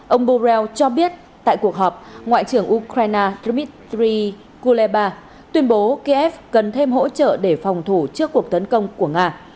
ông borrell cho biết tại cuộc họp ngoại trưởng ukraine dmitri kuleba tuyên bố kiev cần thêm hỗ trợ để phòng thủ trước cuộc tấn công của nga